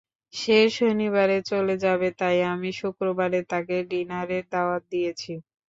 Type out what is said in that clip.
সে শনিবারে চলে যাবে, তাই আমি শুক্রবারে তাকে ডিনারের দাওয়াত দিয়েছি।